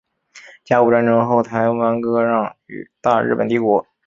甲午战争后台湾割让予大日本帝国。